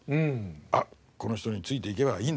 あっこの人についていけばいいんだ。